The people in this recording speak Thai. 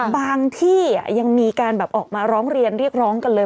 บางที่ยังมีการแบบออกมาร้องเรียนเรียกร้องกันเลย